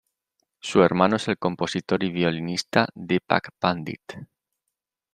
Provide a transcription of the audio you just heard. Su hermano es el compositor y violinista Deepak Pandit.